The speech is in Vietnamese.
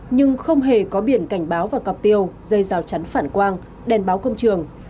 nhưng không hề có biển cảnh báo và cọp tiêu dây rào chắn phản quang đèn báo công trường